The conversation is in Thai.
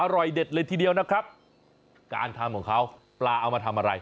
อร่อยเด็ดเลยทีเดียวนะครับการทำของเขาปลาเอามาทำอะไร